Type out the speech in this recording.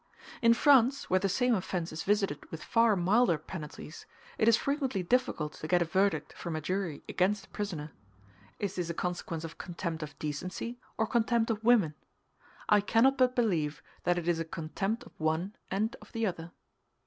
In France, where the same offence is visited with far milder penalties, it is frequently difficult to get a verdict from a jury against the prisoner. Is this a consequence of contempt of decency or contempt of women? I cannot but believe that it is a contempt of one and of the other.